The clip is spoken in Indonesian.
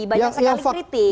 banyak sekali kritik